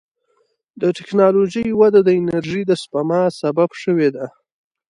د ټکنالوجۍ وده د انرژۍ د سپما سبب شوې ده.